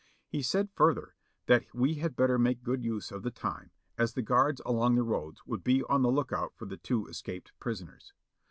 He said further, that we had better make good use of the time, as the guards along the roads would be on the lookout for the two escaped prisoners.